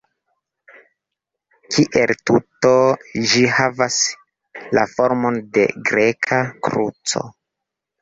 Kiel tuto ĝi havas la formon de greka kruco.